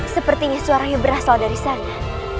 sepertinya suaranya berasal dari sana